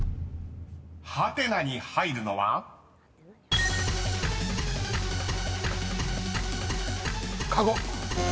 ［ハテナに入るのは？］カゴ。